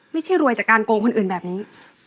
ไม่ใช่รวยจากการโกงคนอื่นแบบนี้